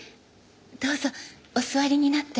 どうぞお座りになって。